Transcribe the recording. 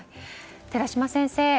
寺嶋先生